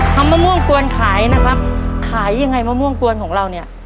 มะม่วงกวนขายนะครับขายยังไงมะม่วงกวนของเราเนี่ย